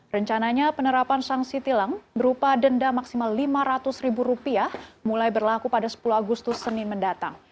rencananya penerapan sanksi tilang berupa denda maksimal lima ratus ribu rupiah mulai berlaku pada sepuluh agustus senin mendatang